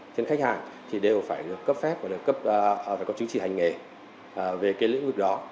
trên khách hàng thì đều phải được cấp phép và phải có chứng chỉ hành nghề về cái lĩnh vực đó